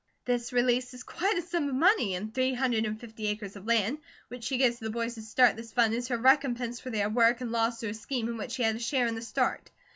This releases quite a sum of money, and three hundred and fifty acres of land, which she gives to the boys to start this fund as her recompense for their work and loss through a scheme in which she had a share in the start.